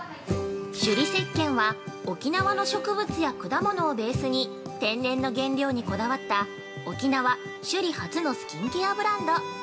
◆首里石鹸は沖縄の植物や果物をベースに天然の原料にこだわった沖縄・首里発のスキンケアブランド。